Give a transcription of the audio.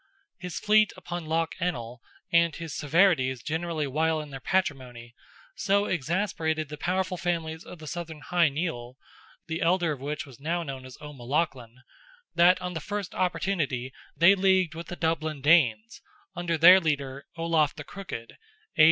His fleet upon Loch Ennell, and his severities generally while in their patrimony, so exasperated the powerful families of the Southern Hy Nial (the elder of which was now known as O'Melaghlin), that on the first opportunity they leagued with the Dublin Danes, under their leader, Olaf "the Crooked" (A.